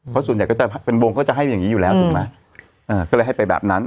เพราะส่วนใหญ่ก็จะเป็นวงก็จะให้อย่างงี้อยู่แล้วถูกไหมก็เลยให้ไปแบบนั้น